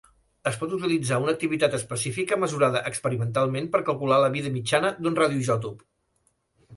Es pot utilitzar una activitat específica mesurada experimentalment per calcular la vida mitjana d'un radioisòtop.